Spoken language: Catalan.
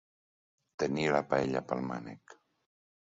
Tenir la paella pel mànec.